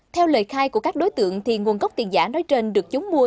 theo lời khai của các đối tượng thì nguồn gốc tiền giả nói trên được chúng mua